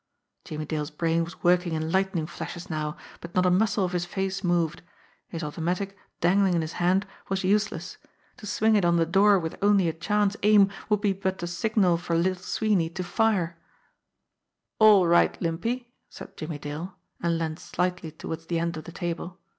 Jimmie Dale's brain was working in lightning flashes now, but not a muscle of his face moved. His automatic dangling in his hand was useless. To swing it on the door with only a chance aim would be but the signal for Little Sweeney to fire. MAN WITH THE RUBBER TIPPED CANE 69 "All right, Limpy," said Jimmie Dale, and leaned slightly toward the end of the table.